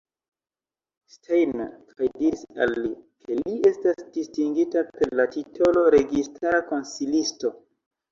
Steiner kaj diris al li, ke li estas distingita per la titolo "registara konsilisto".